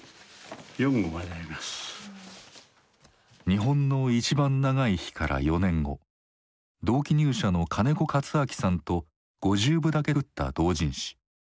「日本のいちばん長い日」から４年後同期入社の金子勝昭さんと５０部だけ作った同人誌「不自由」。